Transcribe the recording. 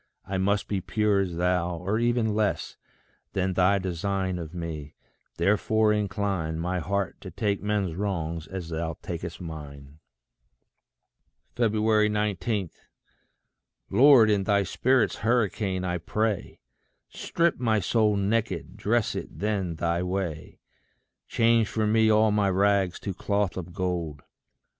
I must be pure as thou, or ever less Than thy design of me therefore incline My heart to take men's wrongs as thou tak'st mine. 19. Lord, in thy spirit's hurricane, I pray, Strip my soul naked dress it then thy way. Change for me all my rags to cloth of gold.